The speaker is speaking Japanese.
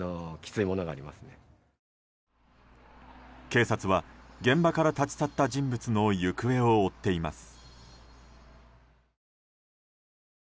警察は現場から立ち去った人物の行方を追っています。